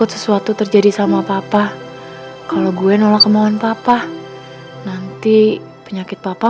yaudah hati hati ya papa